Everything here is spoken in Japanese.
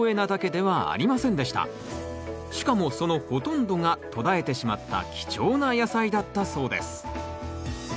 しかもそのほとんどが途絶えてしまった貴重な野菜だったそうです